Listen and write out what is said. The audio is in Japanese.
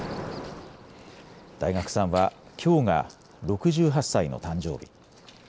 大学さんは、きょうが６８歳の誕生日。